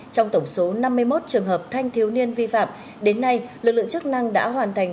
trong tổng số năm mươi một trường hợp thanh thiếu niên vi phạm đến nay lực lượng chức năng đã hoàn thành